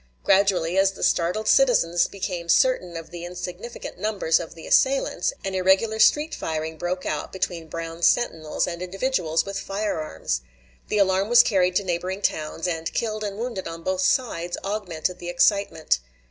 Gradually, as the startled citizens became certain of the insignificant numbers of the assailants, an irregular street firing broke out between Brown's sentinels and individuals with firearms. The alarm was carried to neighboring towns, and killed and wounded on both sides augmented the excitement.